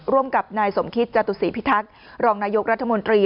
ร่วมกับนายสมคิตจตุศีพิทักษ์รองนายกรัฐมนตรี